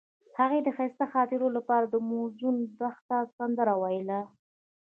هغې د ښایسته خاطرو لپاره د موزون دښته سندره ویله.